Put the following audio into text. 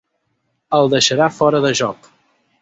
El deixarà fora de joc.